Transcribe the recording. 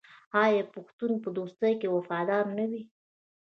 آیا پښتون په دوستۍ کې وفادار نه وي؟